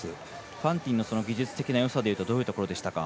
ファンティンの技術的なよさでいうとどんなところでしたか。